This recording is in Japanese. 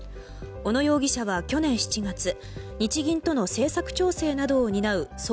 小野容疑者は去年７月、日銀との政策調整などを担う総括